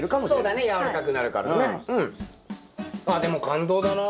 ああでも感動だな。